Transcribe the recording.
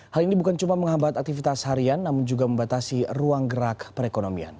hal ini bukan cuma menghambat aktivitas harian namun juga membatasi ruang gerak perekonomian